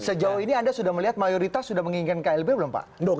sejauh ini anda sudah melihat mayoritas sudah menginginkan klb belum pak